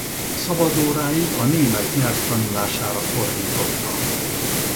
Szabad óráit a német nyelv tanulására fordította.